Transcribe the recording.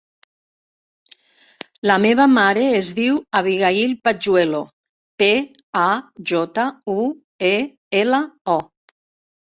La meva mare es diu Abigaïl Pajuelo: pe, a, jota, u, e, ela, o.